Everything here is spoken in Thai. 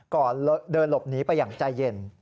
ก่อนเดินหลบหนีไปอย่างใจเย็น